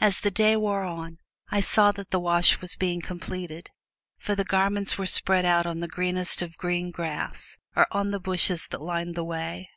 As the day wore on, I saw that the wash was being completed, for the garments were spread out on the greenest of green grass, or on the bushes that lined the way.